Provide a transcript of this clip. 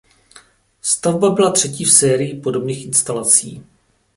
Stavba byla třetí v sérii podobných instalací.